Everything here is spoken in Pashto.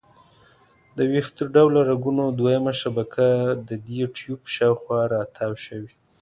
د ویښته ډوله رګونو دویمه شبکه د دې ټیوب شاوخوا را تاو شوي.